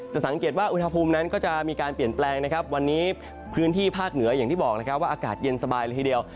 สังเกตว่าอุณหภูมินั้นก็จะมีการเปลี่ยนแปลงนะครับวันนี้พื้นที่ภาคเหนืออย่างที่บอกนะครับว่าอากาศเย็นสบายเลยทีเดียว